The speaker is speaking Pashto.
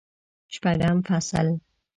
شپږم فصل